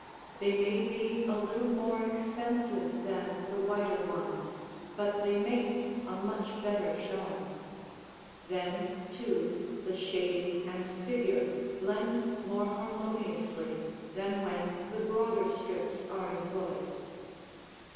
They may be a little more expensive than the wider ones, but they make a much better showing. Then, too, the shading and figure blend more harmoniously than when the broader strips are employed.